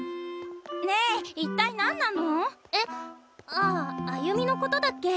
ああ亜由美のことだっけ？